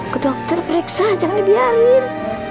ke dokter periksa jangan diambil